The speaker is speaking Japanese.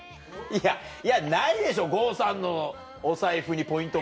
いやないでしょ郷さんのお財布にポイントカード。